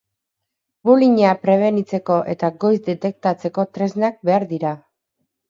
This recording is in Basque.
Bullyinga prebenitzeko eta goiz detektatzeko tresnak behar dira.